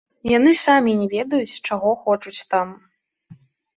Яны самі не ведаюць, чаго хочуць там.